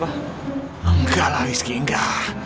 enggak lah rizky enggak